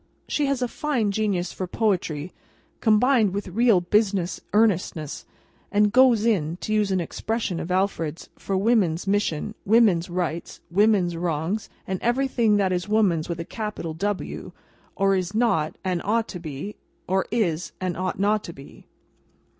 She has a fine genius for poetry, combined with real business earnestness, and "goes in"—to use an expression of Alfred's—for Woman's mission, Woman's rights, Woman's wrongs, and everything that is woman's with a capital W, or is not and ought to be, or is and ought not to be.